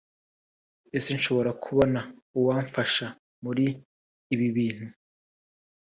ese nshobora kubona uwamfasha muri ibi bintu